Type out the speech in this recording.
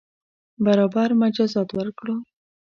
برابر مجازات ورکړو.